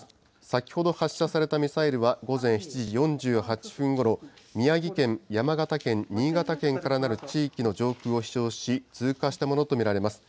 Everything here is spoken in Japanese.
先ほど発射されたミサイルは午前７時４８分ごろ、宮城県、山形県、新潟県からなる地域の上空を飛しょうし、通過したものと見られます。